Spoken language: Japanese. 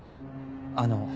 あの。